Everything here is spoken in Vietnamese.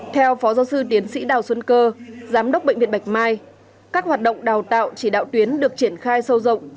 theo phó giáo sư tiến sĩ đào xuân cơ giám đốc bệnh viện bạch mai các hoạt động đào tạo chỉ đạo tuyến được triển khai sâu rộng